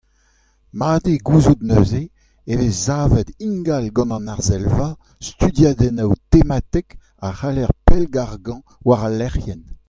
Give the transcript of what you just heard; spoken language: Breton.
Mat eo gouzout neuze e vez savet ingal gant an Arsellva studiadennoù tematek a c’heller pellgargañ war al lec'hienn.